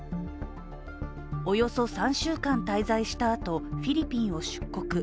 およそ３週間滞在したあとフィリピンを出国。